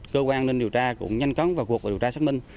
cơ quan nên điều tra cũng nhanh cắn vào cuộc điều tra xác minh